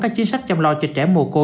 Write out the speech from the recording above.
các chính sách chăm lo cho trẻ em mùa cô